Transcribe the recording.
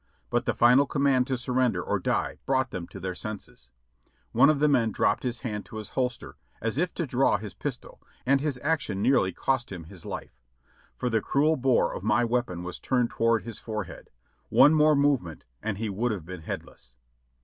But the final command to surrender or die brought them to their senses. One of the men dropped his hand to his holster as if to draw his pistol, and his action nearly cost him his life, for the cruel bore of my weapon was turned toward his forehead ; one more movement and he would have been headless.